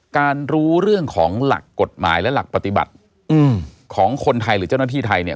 รู้เรื่องของหลักกฎหมายและหลักปฏิบัติของคนไทยหรือเจ้าหน้าที่ไทยเนี่ย